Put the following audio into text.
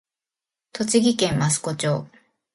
栃木県益子町